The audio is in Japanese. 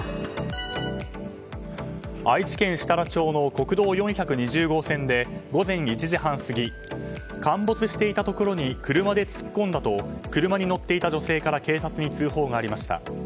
愛知県設楽町の国道４２０号線で午前１時半過ぎ陥没していたところに車で突っ込んだと車に乗っていた女性から警察に通報がありました。